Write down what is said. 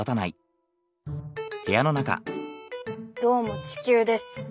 どうも地球です。